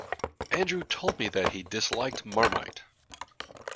Andrew told me that he disliked Marmite.